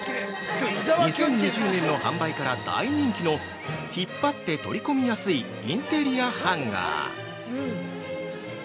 ◆２０２０年の発売から大人気の引っ張って取り込みやすいインテリアハンガー。